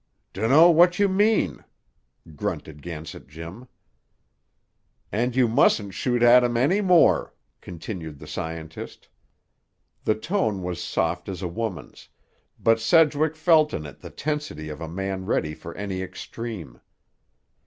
"Dun'no what you mean," grunted Gansett Jim. "And you mustn't shoot at him any more," continued the scientist. The tone was soft as a woman's; but Sedgwick felt in it the tensity of a man ready for any extreme.